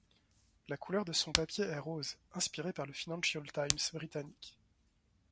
La couleur de son papier est rose, inspiré par le Financial Times britannique.